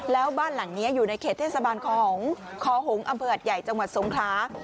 แล้วบ้านหลังนี้อยู่ในเขตเทศบาลคอหงษ์อำเภอหัดใหญ่จังหวัดสงครา